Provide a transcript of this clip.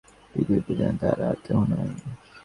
পৃথিবীতে যেন তাঁহার আর কেহ নাই।